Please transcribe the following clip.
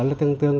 là tương tương